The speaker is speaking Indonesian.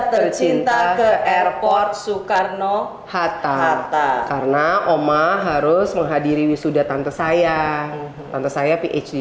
tercinta ke airport soekarno hatta karena oma harus menghadiri wisuda tante saya tante saya phd